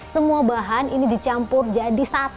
semua bahan ini dicampur jadi satu